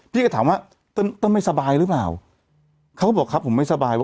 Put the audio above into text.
พี่ก็ถามว่าต้นไม่สบายหรือเปล่าเขาก็บอกครับผมไม่สบาย